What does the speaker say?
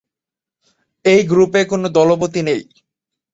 এই গ্রুপে কোনো দলপতি নেই।